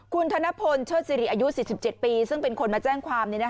คุณธนพลเชิดสิริอายุ๔๗ปีซึ่งเป็นคนมาแจ้งความ